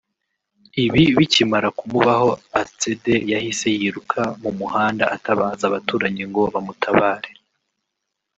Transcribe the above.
Ibi bikimara kumubaho Atsede yahise yiruka mu muhanda atabaza abaturanyi ngo bamutabare